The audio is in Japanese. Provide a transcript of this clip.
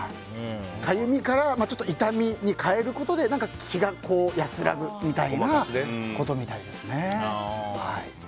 かゆみから痛みに変えることで気が安らぐみたいなことみたいですね。